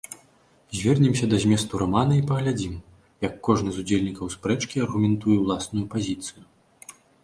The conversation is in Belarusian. Звернемся да зместу рамана і паглядзім, як кожны з удзельнікаў спрэчкі аргументуе ўласную пазіцыю.